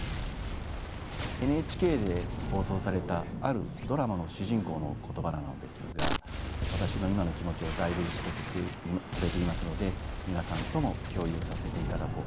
ＮＨＫで放送されたあるドラマの主人公の言葉なのですが私の今の気持ちを代弁してくれていますので皆さんとも共有させていただこうそう思います。